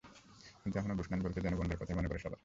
কিন্তু এখনো ব্রুসনান বলতে যেন বন্ডের কথাই মনে পড়ে সবার আগে।